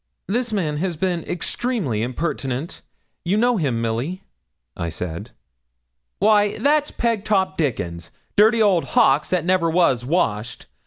'This man has been extremely impertinent. You know him, Milly?' I said. 'Why that's Pegtop Dickon. Dirty old Hawkes that never was washed.